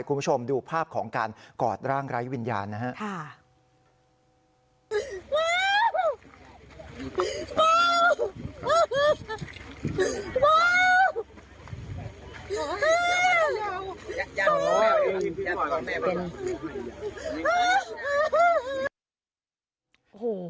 คุณผู้ชมดูภาพของการกอดร่างไร้วิญญาณนะครับ